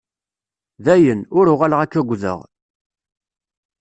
Dayen, ur uɣaleɣ ad k-agdeɣ.